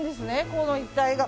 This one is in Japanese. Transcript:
この一帯が。